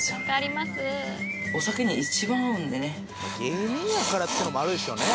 芸人やからっていうのもあるでしょうね。